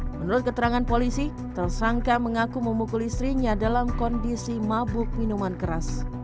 menurut keterangan polisi tersangka mengaku memukul istrinya dalam kondisi mabuk minuman keras